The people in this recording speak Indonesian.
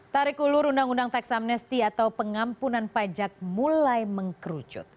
tarik ulur undang undang tax amnesty atau pengampunan pajak mulai mengkerucut